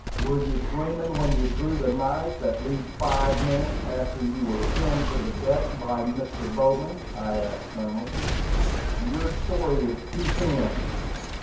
"Were you dreaming when you drew the knife, at least five minutes after you were pinned to the deck by Mr. Bowman?" I asked, sternly. "Your story is too thin."